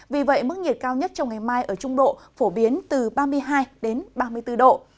vì vậy mức nhiệt cao nhất trong ngày mai ở trung độ phổ biến từ ba mươi hai ba mươi bốn độ